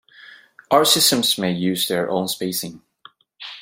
Other systems may use their own spacing.